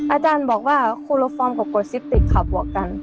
อาจารย์บอกว่าคุลโลฟอร์มกับกรสิตติกขับวอกกัน